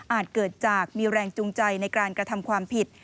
เกิดจากมีแรงจูงใจในการกระทำความผิด